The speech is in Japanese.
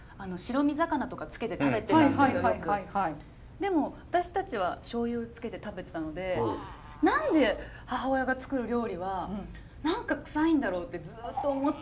でも私たちはしょうゆをつけて食べてたので何で母親が作る料理は何かクサいんだろうってずっと思ってて。